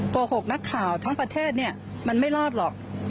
โกหกนักข่าวทั้งประเทศเนี่ยมันไม่รอดหรอก